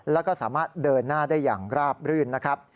แล้วก็สามารถเดินหน้าได้อย่างราบรื่นนะครับ